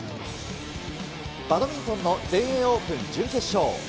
バドミントンの全英オープン、準決勝。